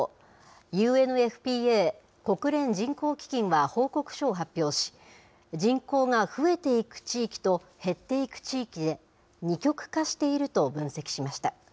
ＵＮＦＰＡ・国連人口基金は報告書を発表し、人口が増えていく地域と減っていく地域で二極化していると分析しました。